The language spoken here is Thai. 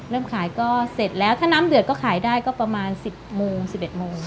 เริ่มขายก็เสร็จแล้วถ้าน้ำเดือดก็ขายได้ก็ประมาณ๑๐โมง๑๑โมง